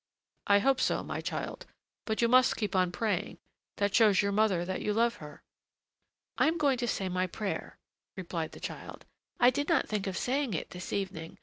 "I hope so, my child; but you must keep on praying: that shows your mother that you love her." "I am going to say my prayer," replied the child; "I did not think of saying it this evening.